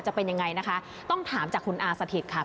จะเป็นยังไงนะคะต้องถามจากคุณอาสถิตค่ะ